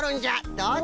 どうぞ。